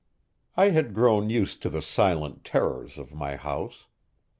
I had grown used to the silent terrors of my house.